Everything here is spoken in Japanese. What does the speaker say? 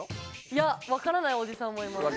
いや分からないおじさんもいます